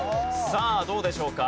さあどうでしょうか？